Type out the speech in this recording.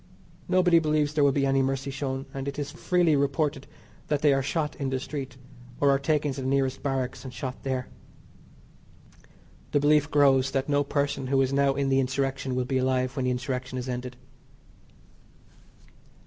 Nobody believes there will be any mercy shown, and it is freely reported that they are shot in the street, or are taken to the nearest barracks and shot there. The belief grows that no person who is now in the Insurrection will be alive when the Insurrection is ended.